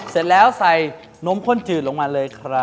เสร็จแล้วใส่นมข้นจืดลงมาเลยครับ